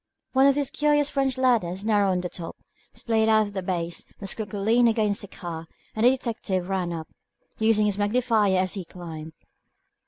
One of these curious French ladders, narrow at the top, splayed out at the base, was quickly leaned against the car, and the detective ran up, using his magnifier as he climbed.